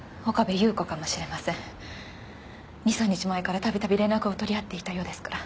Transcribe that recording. ２３日前から度々連絡を取り合っていたようですから。